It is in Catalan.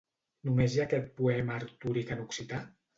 Només hi ha aquest poema artúric en occità?